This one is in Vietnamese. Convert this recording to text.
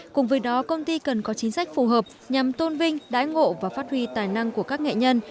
cùng với đó công ty cần có chính sách phù hợp nhằm tôn vinh đái ngộ và phát huy tài năng của các nghệ nhân